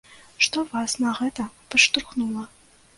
Што вас на гэта падштурхнула?